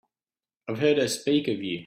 I've heard her speak of you.